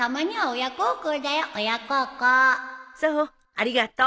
ありがとう。